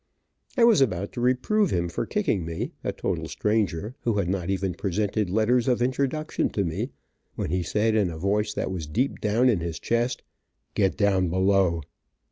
I was about to reprove him for kicking me, a total stranger, who had not even presented letters of introduction to me, when he said, in a voice that was deep down in his chest, "get down below."